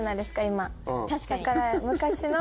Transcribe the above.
だから昔の。